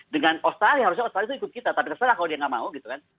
dengan australia harusnya australia itu ikut kita tapi gak salah kalau dia nggak mau gitu kan